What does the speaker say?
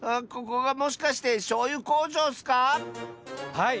はい。